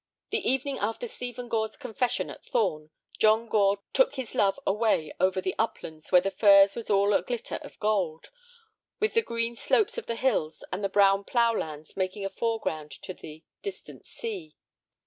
The evening after Stephen Gore's confession at Thorn, John Gore took his love away over the uplands where the furze was all a glitter of gold, with the green slopes of the hills and the brown ploughlands making a foreground to the distant sea.